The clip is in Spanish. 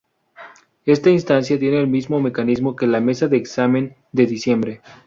Esta instancia tiene el mismo mecanismo que la mesa de examen de diciembre.